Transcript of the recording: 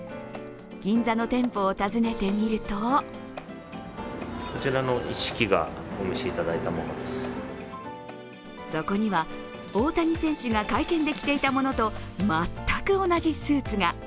銀座の店舗を訪ねてみるとそこには大谷選手が会見で着ていたものと全く同じスーツが。